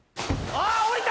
あおりた！